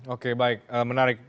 oke baik menarik